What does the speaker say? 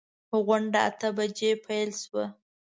غونډه اته بجې پیل شوه.